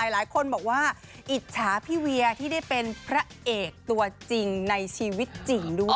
หลายคนบอกว่าอิจฉาพี่เวียที่ได้เป็นพระเอกตัวจริงในชีวิตจริงด้วย